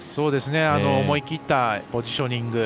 思い切ったポジショニング。